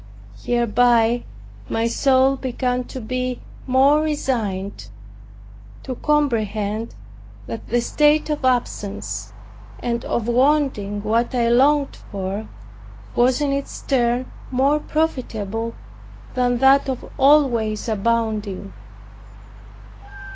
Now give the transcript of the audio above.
Hereby my soul began to be more resigned, to comprehend that the state of absence, and of wanting what I longed for, was in its turn more profitable than that of always abounding.